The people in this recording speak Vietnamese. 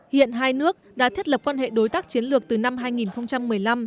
hiện hai nước đã thiết lập quan hệ đối tác chiến lược từ năm hai nghìn một mươi năm